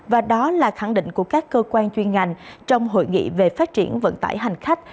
và đó là khẳng định của các cơ quan chuyên ngành trong hội nghị về phát triển vận tải hành khách